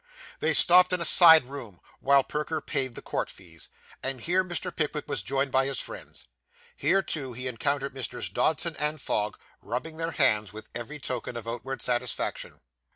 They stopped in a side room while Perker paid the court fees; and here, Mr. Pickwick was joined by his friends. Here, too, he encountered Messrs. Dodson & Fogg, rubbing their hands with every token of outward satisfaction.